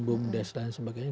bumdes dan sebagainya